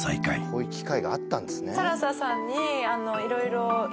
こういう機会があったんですね